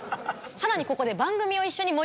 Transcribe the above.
さらにここで。